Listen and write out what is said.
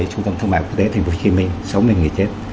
thì trung tâm thông mại quốc tế tp hcm sáu mươi người chết